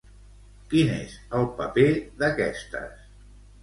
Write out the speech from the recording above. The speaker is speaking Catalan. Quin és el paper d'aquestes?